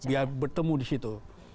biar bertemu di situ